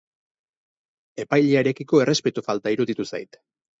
Epailearekiko errespetu falta iruditu zait.